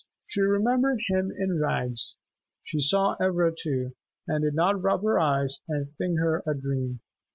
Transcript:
She remembered him in rags. She saw Ivra too, and did not rub her eyes and think her a dream.